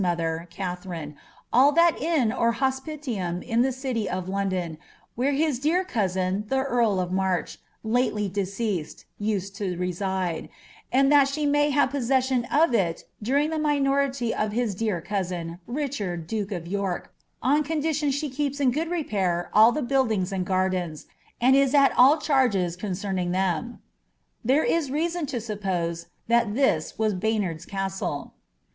Ill mother Katherine, all that inn or hospitinm in the city of London, where his dear cousin the earl of March, lately deceased, used to reside ; and that she may have possession of it during the minority of his dear con tin, Richard duke of York, on condition that she keeps in ^ood repair •11 the buildings and gardens, and is at all charges concerning them." There is reason to suppose that this was BaynanPs Cattle.